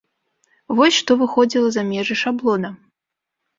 Вось што выходзіла за межы шаблона.